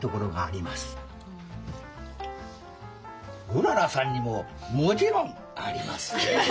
うららさんにももちろんあります。